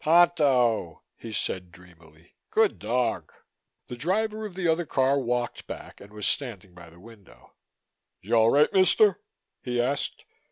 "Ponto," he said dreamily. "Good dog!" The driver of the other car walked back and was standing by the window. "You all right, mister?" he asked.